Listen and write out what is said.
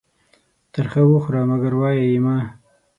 تر خه وخوره ، منگر وايه يې مه.